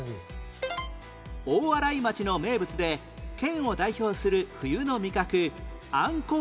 大洗町の名物で県を代表する冬の味覚アンコウ